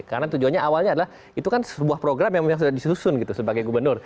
karena tujuannya awalnya adalah itu kan sebuah program yang sudah disusun gitu sebagai gubernur